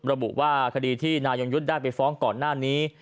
ระบุว่าคดีที่นายงยุทธ์ได้ไปฟ้องก่อนหน้านี้